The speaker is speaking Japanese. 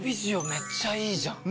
めっちゃいいじゃん。